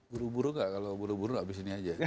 buru buru gak kalau buru buru abis ini aja